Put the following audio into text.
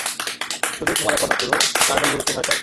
শুধু কুমারাপ্পা নয়, পুরো কারনুল গুরুকে ভয় পায়।